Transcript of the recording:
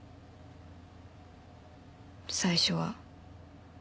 最初は。